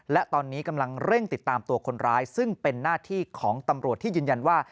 และตอนนี้กำลังเร่งติดตามตัวคนร้ายซึ่งเป็นหน้าที่ของตำรวจที่ยืนยันว่า